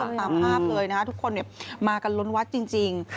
ตามภาพเลยนะคะทุกคนมากันล้นวัดจริง